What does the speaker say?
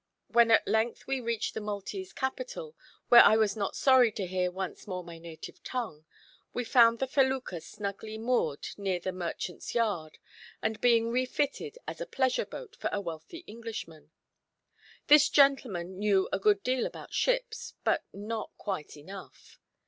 When at length we reach the Maltese capital where I was not sorry to hear once more my native tongue we found the felucca snugly moored near the "Merchant's Yard," and being refitted as a pleasure boat for a wealthy Englishman. This gentleman knew a good deal about ships, but not quite enough.